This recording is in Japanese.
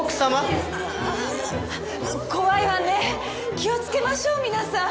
気をつけましょう皆さん。